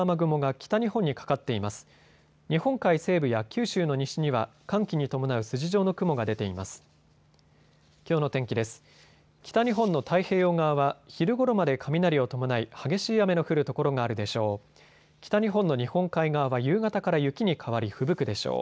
北日本の太平洋側は昼ごろまで雷を伴い激しい雨の降る所があるでしょう。